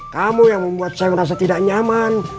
kamu yang membuat saya merasa tidak nyaman